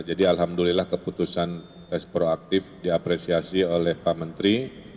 jadi alhamdulillah keputusan tes proaktif diapresiasi oleh pak menteri